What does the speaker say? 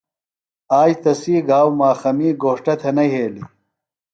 آج تسی گھاؤ ماخَمی گھوݜٹہ تھےۡ نہ یھیلیۡ۔